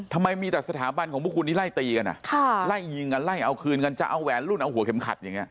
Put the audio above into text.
ทำไมมีแต่สถาบันของพวกคุณที่ไล่ตีกันอ่ะค่ะไล่ยิงกันไล่เอาคืนกันจะเอาแหวนรุ่นเอาหัวเข็มขัดอย่างนี้